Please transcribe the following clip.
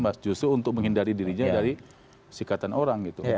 mas justru untuk menghindari dirinya dari sikatan orang gitu